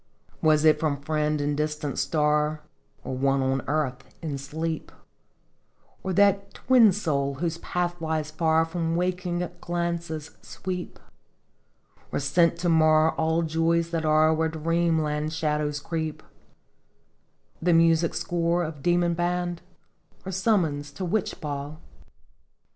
Was it from friend in distant star? Or one on earth, in sleep? Or that twin soul whose path lies far From waking glances sweep?' Or sent to mar all joys that are Where Dream land shadows creep r " The music score of demon band? Or summons to witch ball?